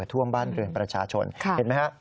ท่วมบ้านเรือนประชาชนเห็นไหมฮะ